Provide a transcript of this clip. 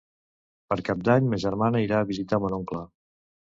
Per Cap d'Any ma germana irà a visitar mon oncle.